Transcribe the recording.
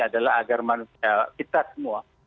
adalah agar kita semua